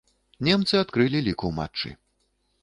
Немцы адкрылі лік ў матчы.